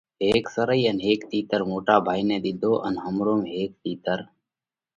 هيڪ سرئي ان هيڪ تِيتر موٽا ڀائِي نئہ ۮِيڌو ان همروم هيڪ تِيتر